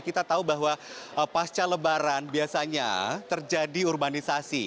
kita tahu bahwa pasca lebaran biasanya terjadi urbanisasi